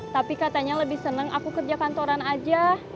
tapi katanya lebih senang aku kerja kantoran aja